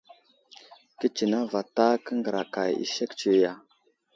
Kətsineŋ vatak nəŋgəraka i sek tsiyo ya ?